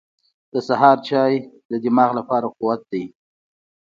• د سهار چای د دماغ لپاره قوت دی.